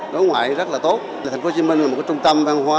đối ngoại rất là tốt thành phố hồ chí minh là một trung tâm văn hóa